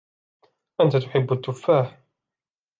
أنت تحب التفاح.